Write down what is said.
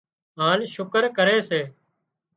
هانَ شُڪر ڪري سي